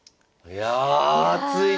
いや。